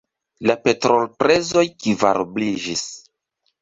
La petrolprezoj kvarobliĝis.